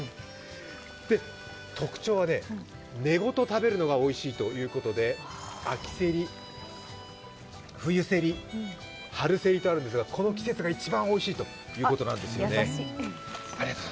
特徴は根ごと食べるのがおいしいということで、秋セリ、冬セリ、春セリとあるんですが、この季節が一番おいしいということなんですよね。